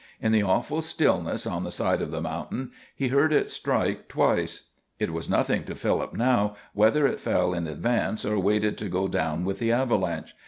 In the awful stillness on the side of the mountain, he heard it strike twice. It was nothing to Philip now whether it fell in advance or waited to go down with the avalanche.